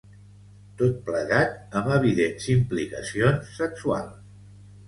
Tot plegat amb evidents implicacions sexuals.